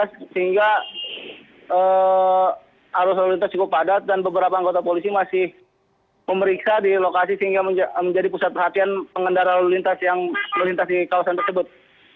sehingga arus lalu lintas cukup padat dan beberapa anggota polisi masih memeriksa di lokasi sehingga menjadi pusat perhatian pengendara lalu lintas yang melintas di kawasan tersebut